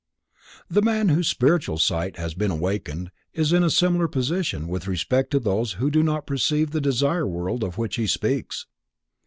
The man whose spiritual sight has been awakened is in a similar position with respect to those who do not perceive the Desire World of which he speaks.